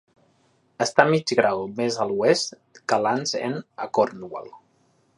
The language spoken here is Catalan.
Està mig grau més a l'oest que Land's End a Cornwall.